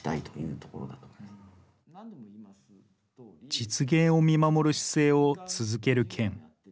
実現を見守る姿勢を続ける県。